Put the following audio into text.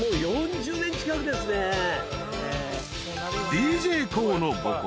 ［ＤＪＫＯＯの母校］